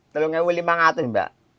telurnya rp lima ratus mbak